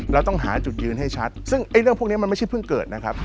เราต้องหาจุดยืนให้ชัดซึ่งไอ้เรื่องพวกนี้มันไม่ใช่เพิ่งเกิดนะครับ